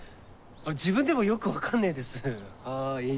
自分でもよく分かんねえですはい。